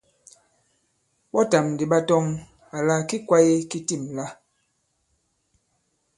Ɓɔtàm ndì ɓa tɔŋ àlà ki kwāye ki tîm la.